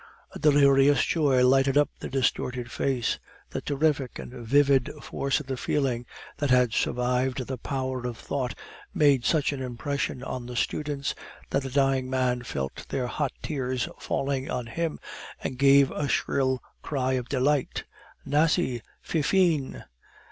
A delirious joy lighted up the distorted face. The terrific and vivid force of the feeling that had survived the power of thought made such an impression on the students, that the dying man felt their hot tears falling on him, and gave a shrill cry of delight. "Nasie! Fifine!"